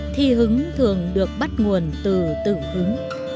thi hứng thường được bắt nguồn từ tự hứng